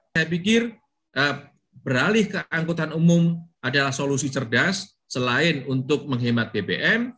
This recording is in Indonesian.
saya pikir beralih ke angkutan umum adalah solusi cerdas selain untuk menghemat bbm